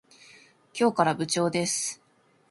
今日から部長です。